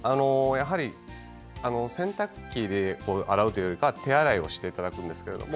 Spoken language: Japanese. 洗濯機で洗うというよりは手洗いをしていただくんですけど。